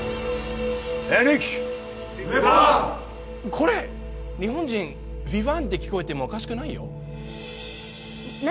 これ日本人ヴィヴァンって聞こえてもおかしくないよ何？